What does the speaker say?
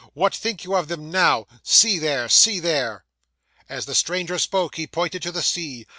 What think you of them now! See there, see there!" 'As the stranger spoke, he pointed to the sea.